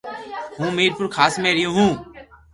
ھون ميرپورخاص مي ريون هون